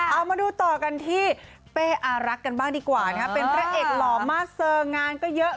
เอามาดูต่อกันที่เป้อารักกันบ้างดีกว่านะครับเป็นพระเอกหล่อมาเซอร์งานก็เยอะ